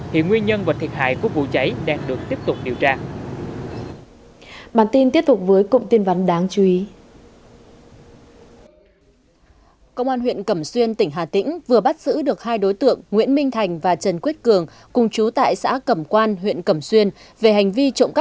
thì nguyên nhân và thiệt hại của vụ cháy đang được tiếp tục điều tra